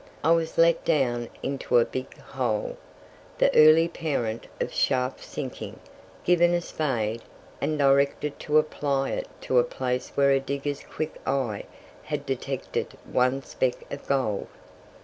I was let down into a big hole, the early parent of shaft sinking, given a spade, and directed to apply it to a place where a digger's quick eye had detected one speck of gold.